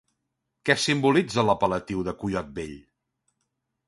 Què simbolitza l'apel·latiu de coiot vell?